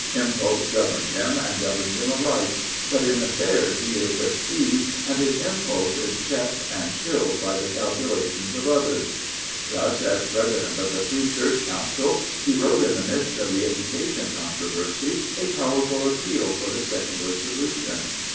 Impulse governs him and governs him aright; but in affairs he is at sea, and his impulse is checked and chilled by the calculations of others. Thus, as President of the Free Church Council, he wrote in the midst of the education controversy a powerful appeal for the secular solution.